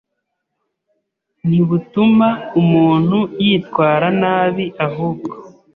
ntibutuma umuntu yitwara nabi ahubwo